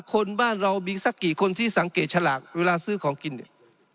คนบ้านเรามีสักกี่คนที่สังเกตฉลากเวลาซื้อของกินเนี่ย